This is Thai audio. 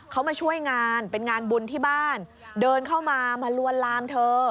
เขามาช่วยงานเป็นงานบุญที่บ้านเดินเข้ามามาลวนลามเธอ